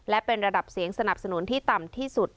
และเป็นระดับเสียงสนับสนุนที่ต่ำที่สุด